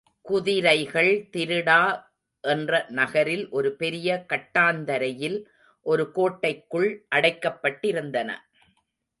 குதிரைகள் திரிடா என்ற நகரில், ஒரு பெரிய கட்டாந்தரையில், ஒரு கோட்டைக்குள் அடைக்கப்பட்டிருந்தன.